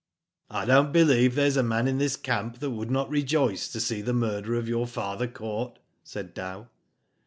"I don't believe there is a man in this camp, that would not rejoice to see the murderer of your father caught," said Dow.